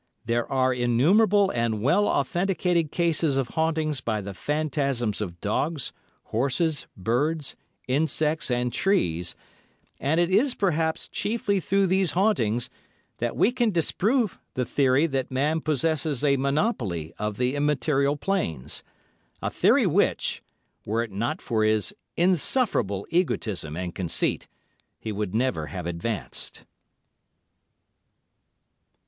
There are innumerable and well authenticated cases of hauntings by the phantasms of dogs, horses, birds, insects, and trees, and it is, perhaps, chiefly through these hauntings that we can disprove the theory that man possesses a monopoly of the immaterial planes; a theory which, were it not for his insufferable egotism and conceit, he would never have advanced.